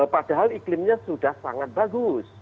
padahal iklimnya sudah sangat bagus